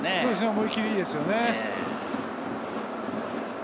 思い切りがいいですよね。